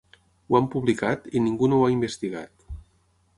Ho hem publicat, i ningú no ho ha investigat.